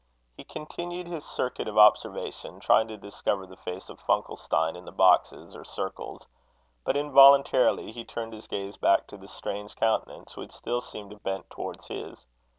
He continued his circuit of observation, trying to discover the face of Funkelstein in the boxes or circles; but involuntarily he turned his gaze back to the strange countenance, which still seemed bent towards his.